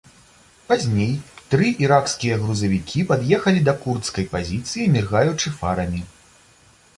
Пазней тры іракскія грузавікі пад'ехалі да курдскай пазіцыі, міргаючы фарамі.